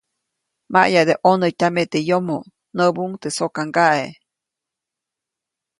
‒Maʼyade ʼnonätyame teʼ yomoʼ-, näbuʼuŋ teʼ sokaŋgaʼe.